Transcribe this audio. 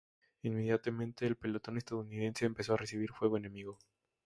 Inmediatamente el pelotón estadounidense empezó a recibir fuego enemigo.